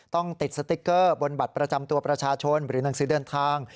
ติดสติ๊กเกอร์บนบัตรประจำตัวประชาชนหรือหนังสือเดินทาง